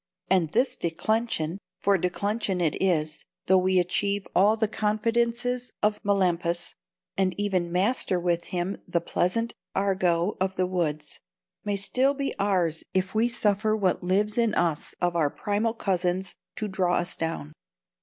And this declension—for declension it is, though we achieve all the confidences of Melampus, and even master with him the pleasant argot of the woods—may still be ours if we suffer what lives in us of our primal cousins to draw us down.